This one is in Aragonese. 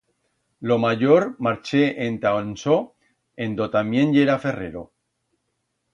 Lo mayor marché enta Ansó, en do tamién yera ferrero.